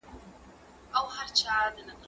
زه بايد تمرين وکړم!.